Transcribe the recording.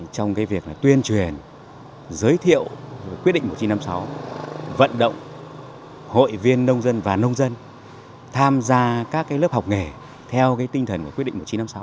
trong việc tuyên truyền giới thiệu quyết định một nghìn chín trăm năm mươi sáu vận động hội viên nông dân và nông dân tham gia các lớp học nghề theo tinh thần quyết định một nghìn chín trăm năm mươi sáu